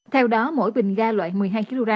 theo đó mỗi bình ga loại một mươi hai kg